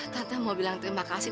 tata mau bilang terima kasih